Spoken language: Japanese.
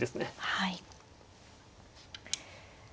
はい。